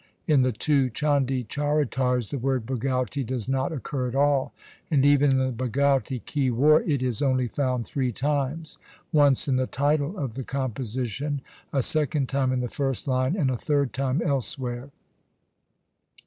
In the two Chandi Charitars the word Bhagauti does not occur at all, and even in the Bhagauti ki War it is only found three times — once in the title of the composition, a second time in the first line, and a third time elsewhere.